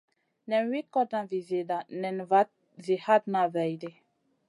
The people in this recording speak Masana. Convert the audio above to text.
Nen wi kotna vi zida nen vat zi hatna vaidi.